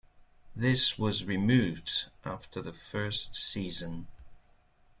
This was removed after the first season.